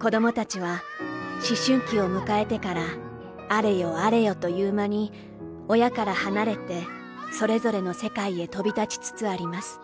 子供たちは思春期を迎えてからあれよあれよというまに親から離れて、それぞれの世界へ飛びたちつつあります。